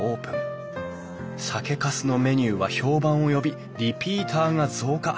酒かすのメニューは評判を呼びリピーターが増加。